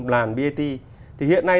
làn brt thì hiện nay